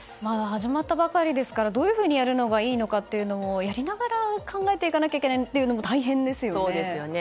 始まったばかりですからどういうふうにやるのがいいかやりながら考えていかなきゃいけないというのも大変ですよね。